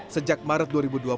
sejak maret dua ribu dua puluh